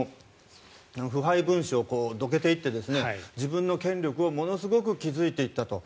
腐敗分子をどけていって自分の権力をものすごく築いていったと。